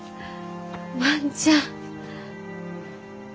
万ちゃん！